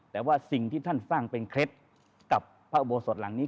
แต่ว่าสิ่งที่ท่านสร้างเป็นเคล็ดกับพระอุโบสถหลังนี้